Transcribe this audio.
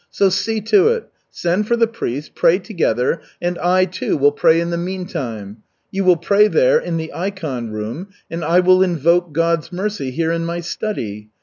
So see to it. Send for the priest, pray together, and I, too, will pray in the meantime. You will pray there, in the ikon room, and I will invoke God's mercy here in my study.